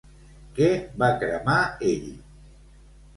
Què va cremar ell?